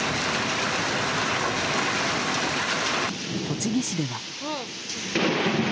栃木市では。